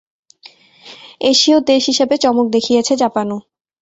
এশীয় দেশ হিসেবে চমক দেখিয়েছে জাপানও।